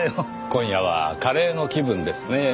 今夜はカレーの気分ですねぇ。